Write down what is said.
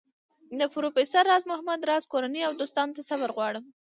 د پروفیسر راز محمد راز کورنۍ او دوستانو ته صبر غواړم.